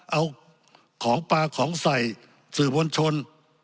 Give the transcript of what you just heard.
เอาของปลาของใส่สื่อมวลชน